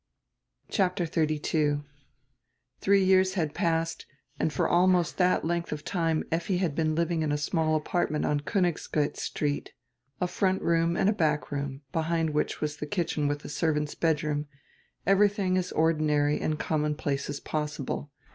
CHAPTER XXXII THREE years had passed and for almost diat lengdi of time Effi had heen living in a small apartment on Konig griitz Street — a front room and hack room, behind which was die kitchen widi a servant's bedroom, everything as ordinary and commonplace as possible.